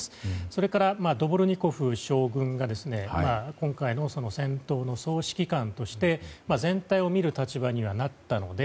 それから、ドボルニコフ将軍が今回の戦闘の総指揮官として全体を見る立場にはなったので。